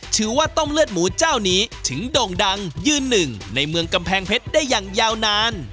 ชื่อว่าต้มเลือดหมูเจ้านี้ถึงโด่งดังยืนหนึ่งในเมืองกำแพงเพชรได้อย่างยาวนาน